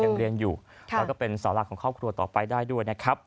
เรียนอยู่แล้วก็เป็นสาวหลักของครอบครัวต่อไปได้ด้วยนะครับ